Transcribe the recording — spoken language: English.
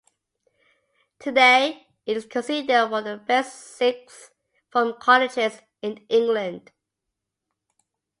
Today it is considered one of the best sixth form colleges in England.